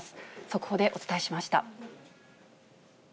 速報でお伝えしました。